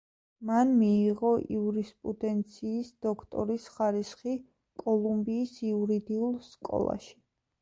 მან მიიღო იურისპრუდენციის დოქტორის ხარისხი კოლუმბიის იურიდიულ სკოლაში.